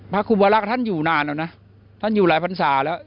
ครูบารักษ์ท่านอยู่นานแล้วนะท่านอยู่หลายพันศาแล้ว